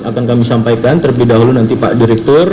akan kami sampaikan terlebih dahulu nanti pak direktur